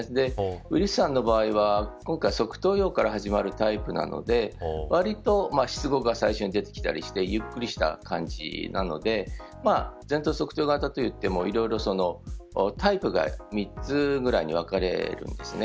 ウィリスさんの場合は今回は側頭葉から始まるタイプなので割と失語が最初に出てきたりしてゆっくりした感じなので前頭側頭型といってもタイプがいろいろ、３つぐらいに分かれるんですね。